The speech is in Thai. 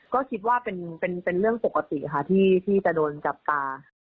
ก็คิดว่าเป็นเรื่องปกติค่ะที่จะโดนจับตาค่ะ